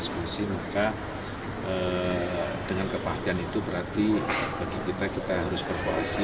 dua satu ratus dua belas kursi maka dengan kepastian itu berarti bagi kita kita harus berkoalisi